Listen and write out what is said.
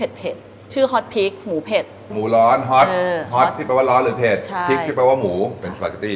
หอยแมรงผู้นิวซีแลนด์